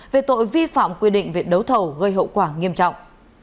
về tội vi phạm quy định viện đấu thầu gây hậu quả nghiêm trọng